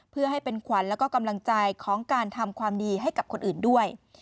เพื่อให้เป็นขวัญแล้วก็กำลังใจของการทำความดีให้กับคนอื่นด้วย